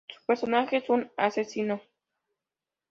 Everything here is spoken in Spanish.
Su personaje es un 'asesino'.